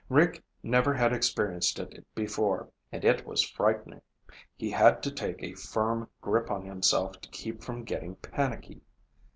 Rick never had experienced it before, and it was frightening. He had to take a firm grip on himself to keep from getting panicky.